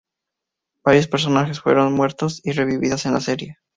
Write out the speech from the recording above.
Varios personajes fueron muertos y revividos en la serie.